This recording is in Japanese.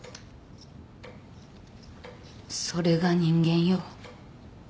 それが人間よ。